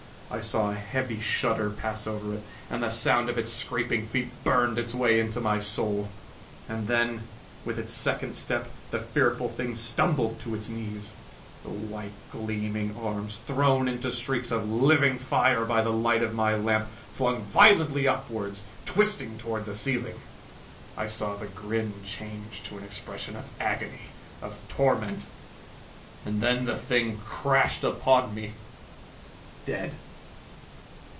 I saw a heavy shudder pass over it, and the sound of its scraping feet burned its way into my soul. And then, with its second step, the fearful thing stumbled to its knees. The white, gleaming arms, thrown into streaks of living fire by the light of my lamp, flung violently upwards, twisting toward the ceiling. I saw the grin change to an expression of agony, of torment. And then the thing crashed upon me dead.